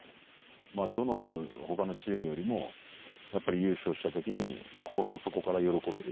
まあどのほかのチームよりもやっぱり優勝した時に心の底から喜べる。